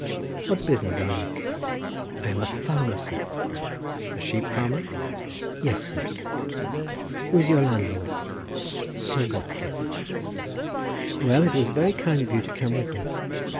"What business are you?" "I am a farmer, sir." "A sheep farmer?" "Yes sir." "Who is your landlord?" "Sir Watkin." "Well, it was very kind of you to come with me."